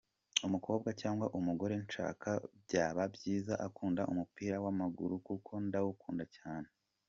umukombwa cg umugore nshaka byaba byiza akunda umupira wa maguru kko ndawukunda cyane!!!.